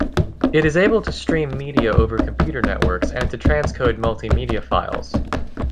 It is able to stream media over computer networks and to transcode multimedia files.